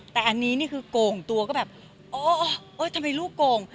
แต่อันนี้นี่คือโก่งตัวก็แบบโอ๊ยทำไมลูกโกง